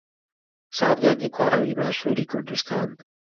ساڵیادی کۆڕەوی باشووری کوردستان